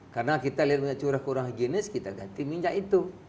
karena kita lihat minyak curah kurang higienis kita ganti minyak itu